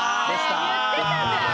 ねえ言ってたじゃん。